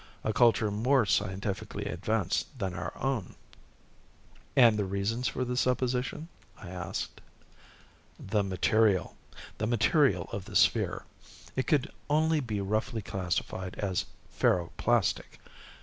A culture more scientifically advanced than our own." "And the reasons for this supposition?" I asked. "The material ... the material of the sphere. It could only be roughly classified as ferro plastic.